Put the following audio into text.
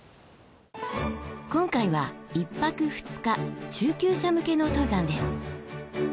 今回は１泊２日中級者向けの登山です。